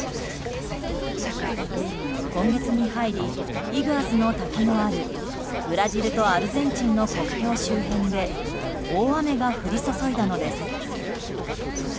今月に入り、イグアスの滝のあるブラジルとアルゼンチンの国境周辺で大雨が降り注いだのです。